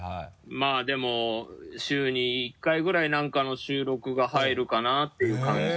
まぁでも週に１回ぐらい何かの収録が入るかなっていう感じかな。